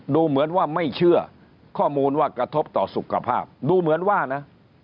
ดูเหมือนว่าไม่เชื่อข้อมูลว่ากระทบต่อสุขภาพดูเหมือนว่านะ